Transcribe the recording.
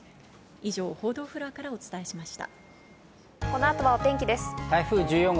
以上、報道フロアからお伝えしました。